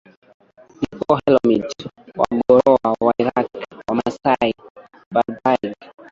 Nilo Hamites Wagorowa Wairaq Maasai Barbaig